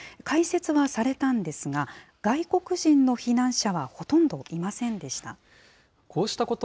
開設はされたんですが、外国人の避難者はほとんどいませんでした。